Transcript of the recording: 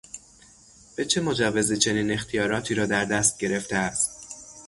به چه مجوزی چنین اختیاراتی را در دست گرفته است؟